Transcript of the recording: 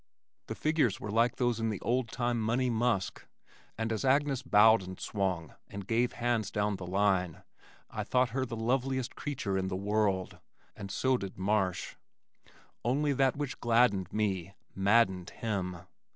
The figures were like those in the old time "Money Musk" and as Agnes bowed and swung and gave hands down the line I thought her the loveliest creature in the world, and so did Marsh, only that which gladdened me, maddened him.